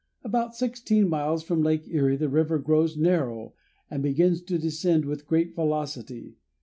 About sixteen miles from Lake Erie the river grows narrow and begins to descend with great velocity.